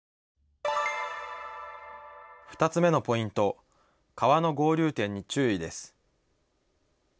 ２つ目のポイント、川の合流点に注意です。